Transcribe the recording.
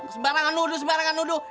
sembarangan nuduh sembarangan nuduh